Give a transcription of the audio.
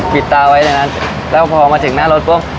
ปิดตาไว้ในนั้นแล้วพอมาถึงหน้ารถปุ๊บ